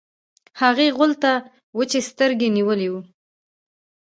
هغې غولي ته وچې سترګې نيولې وې.